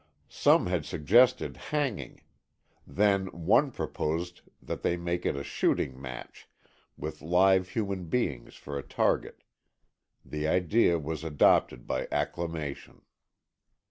Some had suggested hanging; then one proposed that they make it a shooting match, with live human beings for a target. The idea was adopted by acclamation.